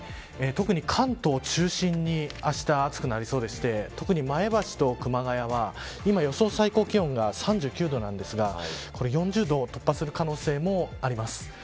特に関東を中心にあした、暑くなりそうでして特に前橋と熊谷は今予想最高気温が３９度なんですが４０度を突破する可能性もあります。